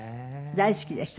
大好きでした私。